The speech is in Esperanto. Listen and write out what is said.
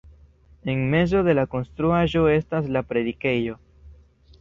En mezo de la konstruaĵo estas la predikejo.